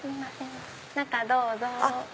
中どうぞ。